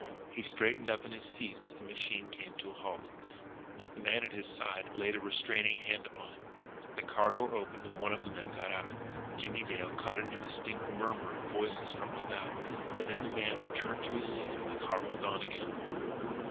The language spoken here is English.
He straightened up in his seat as the machine came to a halt but the man at his side laid a restraining hand upon him. The car door opened, and one of the men got out. Jimmie Dale caught an indistinct murmur of voices from without, then the man returned to his seat, and the car went on again.